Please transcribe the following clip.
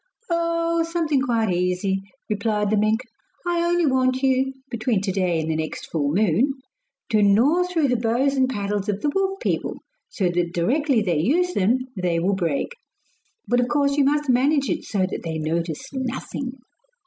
'Oh, something quite easy,' replied the mink. 'I only want you between to day and the next full moon to gnaw through the bows and paddles of the wolf people, so that directly they use them they will break. But of course you must manage it so that they notice nothing.